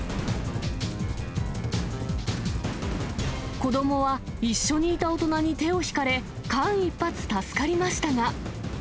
子どもは一緒にいた大人に手を引かれ、間一髪、助かりましたが。